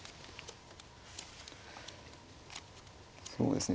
そうですね